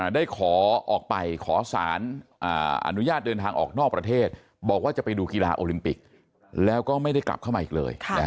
ได้ขอออกไปขอสารอนุญาตเดินทางออกนอกประเทศบอกว่าจะไปดูกีฬาโอลิมปิกแล้วก็ไม่ได้กลับเข้ามาอีกเลย